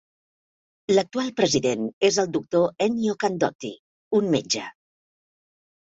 L'actual president és el doctor Ennio Candotti, un metge.